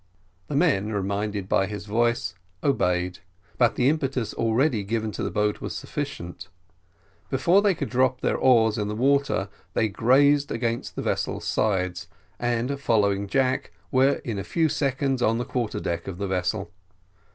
The men, reminded by his voice, obeyed but the impetus already given to the boat was sufficient. Before they could drop their oars in the water they grazed against the vessel's sides, and, following Jack, were in a few seconds on the quarter deck of the vessel.